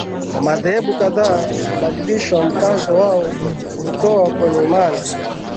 kwa madhehebu kadhaa kubadilisha mkazo wao kuutoa kwenye imani